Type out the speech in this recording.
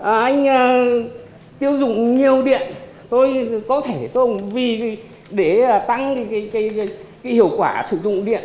anh tiêu dụng nhiều điện tôi có thể tôn vì để tăng hiệu quả sử dụng điện